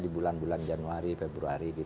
di bulan bulan januari februari